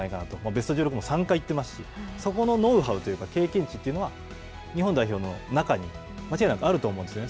ベスト１６も３回行ってますし、そこのノウハウって経験値というのは、日本代表の中に間違いなくあると思うんですよね。